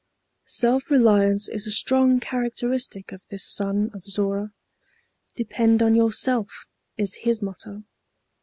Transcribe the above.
Self reliance is a strong characteristic of this son of Zorra. Depend on yourself, is his motto.